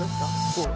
そう。